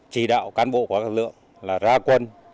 chỉ đạo cán bộ của các lực lượng là ra quân